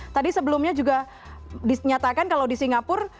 tadi sebelumnya juga dinyatakan kalau di singapura